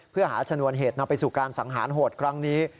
เพื่อหาชนวนเหตุนำไปสู่การสังหารโหดครั้งนี้